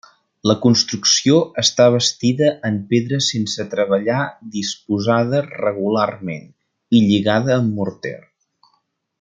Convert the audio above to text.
La construcció està bastida en pedra sense treballar disposada regularment i lligada amb morter.